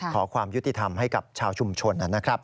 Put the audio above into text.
ขอความยุติธรรมให้กับชาวชุมชนนะครับ